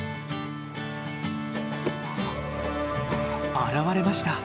現れました。